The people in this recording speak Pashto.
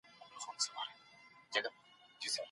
سود خور به سختې سزاګانې وویني.